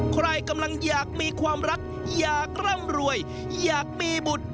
ใครกำลังอยากมีความรักอยากร่ำรวยอยากมีบุตร